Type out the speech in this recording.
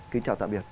kính chào tạm biệt